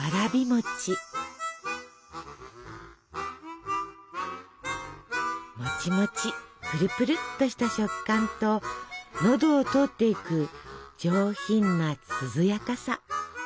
もちもちプルプルっとした食感と喉を通っていく上品な涼やかさ。